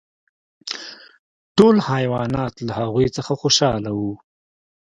ټول حیوانات له هغوی څخه خوشحاله وو.